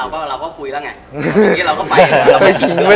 เห็นไหมเราก็คุยแล้วไง